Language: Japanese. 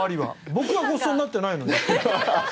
僕はごちそうになってないのに。